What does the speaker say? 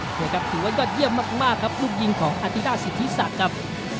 นี่ครับถือว่ายอดเยี่ยมมากครับลูกยิงของอธิราชสิทธิศักดิ์ครับ